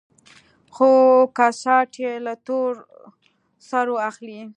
خو کسات يې له تور سرو اخلي.